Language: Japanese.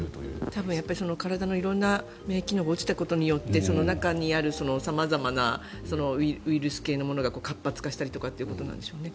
多分体の色々な免疫機能が落ちたことによって中にある様々なウイルス系のものが活発化したりということなんでしょうね。